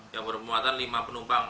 yang berpemuatan lima penumpang